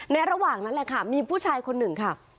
ระหว่างนั้นแหละค่ะมีผู้ชายคนหนึ่งค่ะ